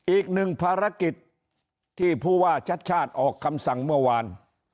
อีกหนึ่งภารกิจที่ผู้ว่าชัดชาติออกคำสั่งเมื่อวาน